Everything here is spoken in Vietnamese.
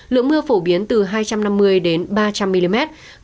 lượng mưa phổ biến từ hai trăm năm mươi đến ba trăm linh mm